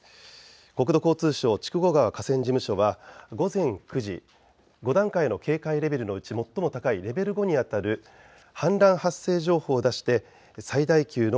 国土交通省筑後川河川事務所は午前９時、５段階の警戒レベルのうち最も高いレベル５にあたる氾濫発生情報を出して最大級の